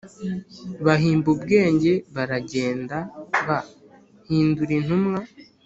Bahimba ubwenge baragenda b hindura intumwa